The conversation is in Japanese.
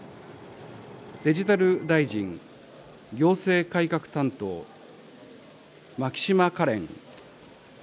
デジタル大臣、行政改革担当、牧島かれん。